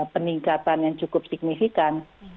peningkatan yang cukup signifikan